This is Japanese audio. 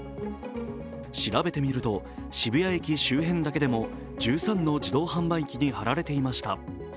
調べてみると渋谷駅周辺でも１３の自動販売機にはられていました。